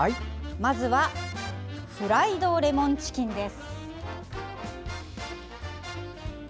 まずはフライドレモンチキンです。